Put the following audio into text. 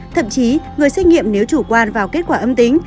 thậm chí người xét nghiệm nếu chủ quan vào kết quả âm tính